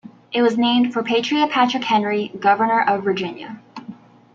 It was named for Patriot Patrick Henry, governor of Virginia.